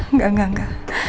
enggak enggak enggak